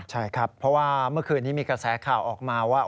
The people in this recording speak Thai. ใช่ครับเพราะว่าเมื่อคืนนี้มีกระแสข่าวออกมาว่า